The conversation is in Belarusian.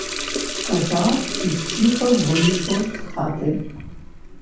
Сказаў і ціха выйшаў з хаты.